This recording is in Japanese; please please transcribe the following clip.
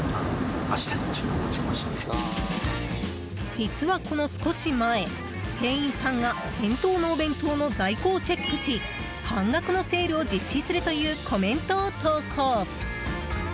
実はこの少し前、店員さんが店頭のお弁当の在庫をチェックし半額のセールを実施するというコメントを投稿。